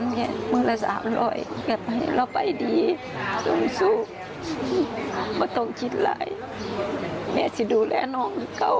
เพราะว่าน้องมันคือน้อง